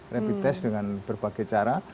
rapid test dengan berbagai cara